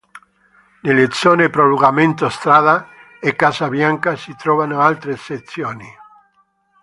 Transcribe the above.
Nelle zone "Prolungamento Strada" e "Casa Bianca" si trovano altre sezioni.